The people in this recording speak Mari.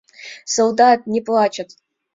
Солдат не плачет.